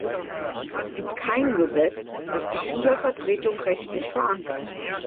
Es gibt kein Gesetz, das die Schülervertretung rechtlich verankert.